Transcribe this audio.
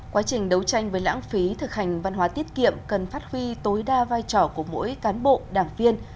quá trình đấu tranh với lãng phí thực hành văn hóa tiết kiệm cần phát huy tối đa vai trò của mỗi cán bộ đảng viên